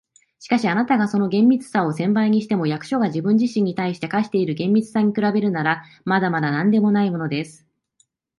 「しかし、あなたがその厳密さを千倍にしても、役所が自分自身に対して課している厳密さに比べるなら、まだまだなんでもないものです。